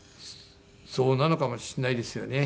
そうなのかもしれないですよね。